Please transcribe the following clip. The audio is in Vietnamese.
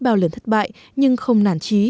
bao lần thất bại nhưng không nản trí